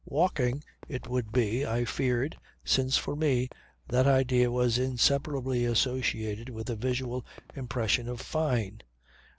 Walking, it would be, I feared, since, for me, that idea was inseparably associated with the visual impression of Fyne.